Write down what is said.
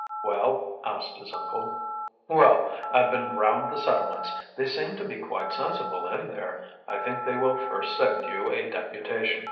"Well?" asked his uncle. "Well, I've been round the settlements. They seem to be quite sensible in there. I think they will first send you a deputation."